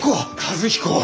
和彦！